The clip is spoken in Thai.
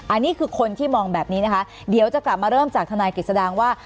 อันนี้คือคนที่มองแบบนี้นะคะเดี๋ยวจะกลับมาเริ่มจากทนายกฤษดางว่า